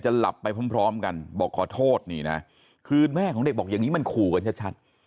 หลับไปพร้อมกันบอกขอโทษนี่นะคือแม่ของเด็กบอกอย่างนี้มันขู่กันชัด